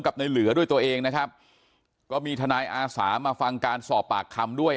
ในเหลือด้วยตัวเองนะครับก็มีทนายอาสามาฟังการสอบปากคำด้วย